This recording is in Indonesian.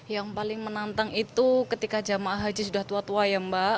yang paling menantang itu ketika jamaah haji sudah tua tua ya mbak